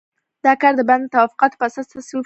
دا کار د بن د توافقاتو په اساس تصویب شو.